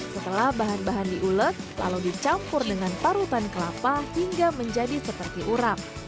setelah bahan bahan diulek lalu dicampur dengan parutan kelapa hingga menjadi seperti urap